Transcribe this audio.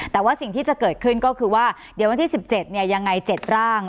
แต่ว่าสิ่งที่จะเกิดขึ้นก็คือว่าเดี๋ยววันที่๑๗ยังไง๗ร่าง